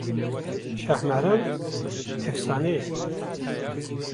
Şahmaran efsane ye